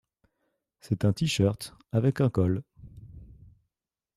C'est un tee-shirt avec un col.